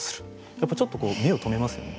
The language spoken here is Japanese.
やっぱちょっと目を留めますよね。